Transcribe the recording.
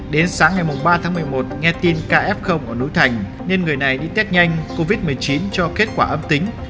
đến sáng ngày ba tháng một mươi một nghe tin kf ở núi thành nên người này đi test nhanh covid một mươi chín cho kết quả âm tính